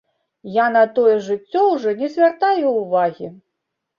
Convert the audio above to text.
Я на тое жыццё ўжо не звяртаю ўвагі.